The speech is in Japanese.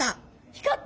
光った！